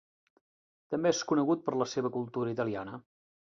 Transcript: També és conegut per la seva cultura italiana.